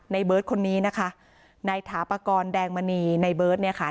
ในเบิร์ดคนนี้นะคะในถาปากรแดงมณีในเบิร์ดค่ะ